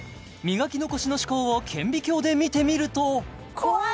磨き残しの歯こうを顕微鏡で見てみると怖い！